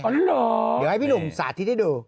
เดี๋ยวให้พี่หนุ่มสาธิตให้ดู